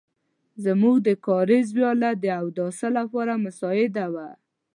زموږ د کاریز وياله د اوداسه لپاره مساعده وه.